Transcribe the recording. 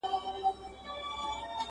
خدای په خپل قلم یم په ازل کي نازولی ..